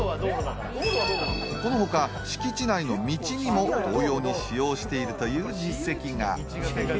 このほか、敷地内の道にも同様に使用しているという実績が。